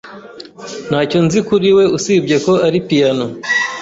Ntacyo nzi kuri we usibye ko ari piyano.